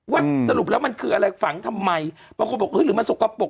สรุปแล้วมันคืออะไรฝังทำไมบางคนบอกหรือมันสกปรก